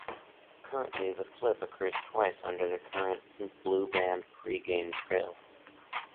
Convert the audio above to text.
Currently, the Flip occurs twice under the current Blue Band pre-game drill.